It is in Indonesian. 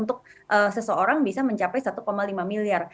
untuk seseorang bisa mencapai satu lima miliar